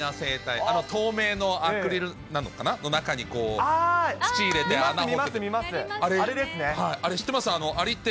透明のアクリルなのかな、中に土入れて穴掘って。